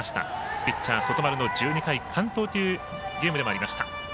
ピッチャー、外丸の１２回完投というゲームでもありました。